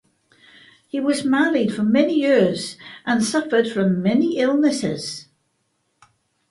He was married for many years, and suffered from many illnesses.